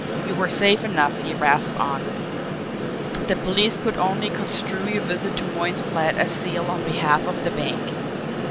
"You were safe enough," he rasped on. "The police could only construe your visit to Moyne's flat as zeal on behalf of the bank.